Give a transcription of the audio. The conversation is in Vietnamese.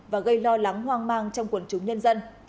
và gây lo lắng hoang mang trong quần chúng nhân dân